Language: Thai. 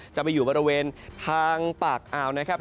จะไปอยู่บริเวณทางปากอ่าวนะครับ